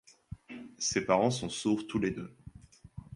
Ses parents sont sourds tous les deux.